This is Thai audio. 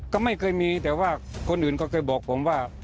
ก็ไม่เคยมีแต่ว่าคนอื่นก็เคยบอกผมว่า